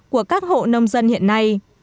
của các hộ nông dân hiện nay